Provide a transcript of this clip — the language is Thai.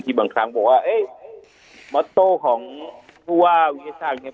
ที่บางครั้งบอกว่าโมโต้ของผู้ว่าวิทยาศาสตร์เนี่ย